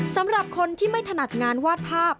สำหรับคนที่ไม่ถนัดงานวาดภาพ